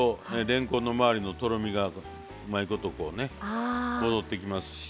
れんこんの周りのとろみがうまいことこうね戻ってきますし。